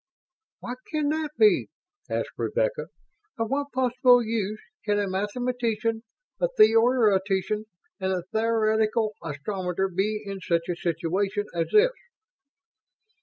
"What can that be?" asked Rebecca. "Of what possible use can a mathematician, a theoretician and a theoretical astronomer be in such a situation as this?"